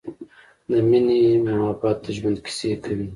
د مینې مخبت د ژوند کیسې کوی